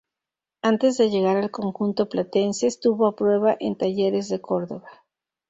Antes de llegar al conjunto platense estuvo a prueba en Talleres de Córdoba.